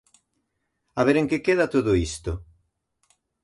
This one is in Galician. A ver en que queda todo isto.